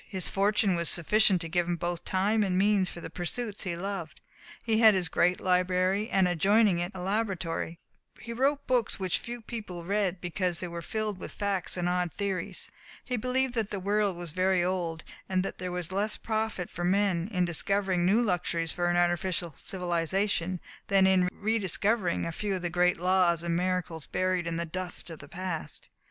His fortune was sufficient to give him both time and means for the pursuits he loved. He had his great library, and adjoining it a laboratory. He wrote books which few people read because they were filled with facts and odd theories. He believed that the world was very old, and that there was less profit for men in discovering new luxuries for an artificial civilization than in re discovering a few of the great laws and miracles buried in the dust of the past.